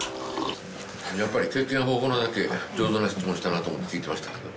やっぱり経験豊富なだけ上手な質問したなと思って聞いていましたけど。